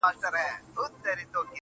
چي ستا له سونډو نه خندا وړي څوك,